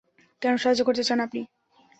কেন সাহায্য করতে চান আপনি?